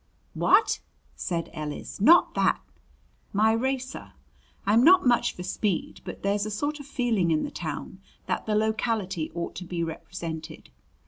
"What!" said Ellis. "Not that " "My racer. I'm not much for speed, but there's a sort of feeling in the town that the locality ought to be represented.